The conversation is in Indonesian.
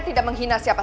pak udah lah pak